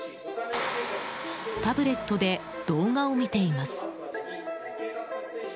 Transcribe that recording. タブレットで動画を見ています。